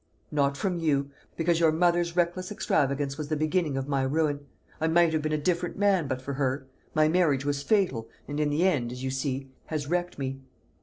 "Not from you; because your mother's reckless extravagance was the beginning of my ruin. I might have been a different man but for her. My marriage was fatal, and in the end, as you see, has wrecked me."